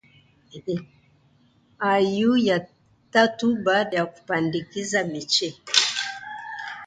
au ya tatu baada ya kupandikiza miche,